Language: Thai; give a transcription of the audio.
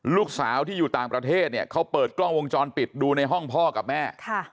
ลูกสาวที่อยู่ต่างประเทศเนี่ยเขาเปิดกล้องวงจรปิดดูในห้องพ่อกับแม่